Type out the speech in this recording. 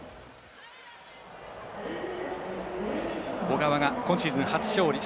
小川が今シーズン初勝利。